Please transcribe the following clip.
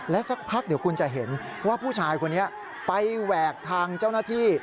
สักพักเดี๋ยวคุณจะเห็นว่าผู้ชายคนนี้ไปแหวกทางเจ้าหน้าที่